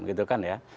gitu kan ya